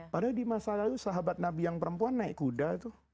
padahal di masa lalu sahabat nabi yang perempuan naik kuda tuh